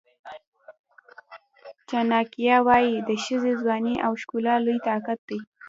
چناکیا وایي د ښځې ځواني او ښکلا لوی طاقت دی.